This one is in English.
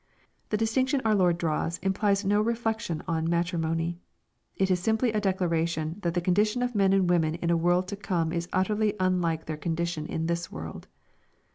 The distinction our Lord draws implies no reflec tion on matrimony. It is simply a declaration that the condition of men and women in a world to come is utterly unlike their con dition in this world.